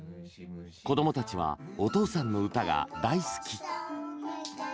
子供たちはお父さんの歌が大好き。